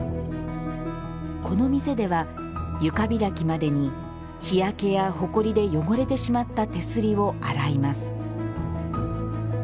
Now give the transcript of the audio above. この店では、床開きまでに日焼けやほこりで汚れてしまった手すりを洗います。